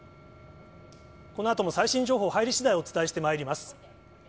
このあとも最新情報入りしだい、お伝えしてまいります。